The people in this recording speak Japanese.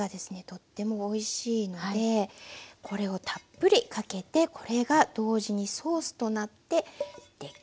とってもおいしいのでこれをたっぷりかけてこれが同時にソースとなって出来上がりになります。